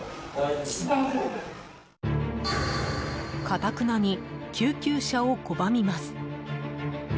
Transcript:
かたくなに救急車を拒みます。